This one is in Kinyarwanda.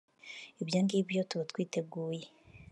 ibyo ngibyo tuba twiteguye